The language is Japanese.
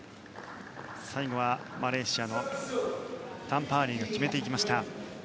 最後は、マレーシアのタン・パーリーが決めました。